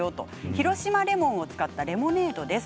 広島レモンを使ったレモネードです。